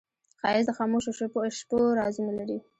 ښایست د خاموشو شپو رازونه لري